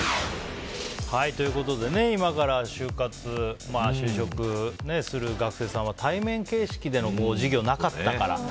今から就活就職する学生さんは対面形式での授業がなかったから。